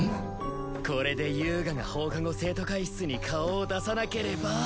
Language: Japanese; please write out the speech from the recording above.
これで遊我が放課後生徒会室に顔を出さなければ。